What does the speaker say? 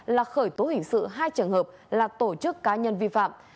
là khởi tố hình sự hai trường hợp là tổ chức cá nhân vi phạm